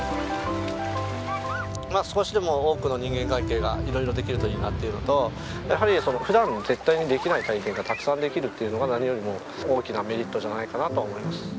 まあ少しでも多くの人間関係が色々できるといいなっていうのとやはり普段絶対にできない体験がたくさんできるっていうのが何よりも大きなメリットじゃないかなと思います。